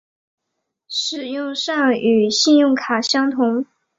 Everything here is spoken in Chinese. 使用上与信用卡相同。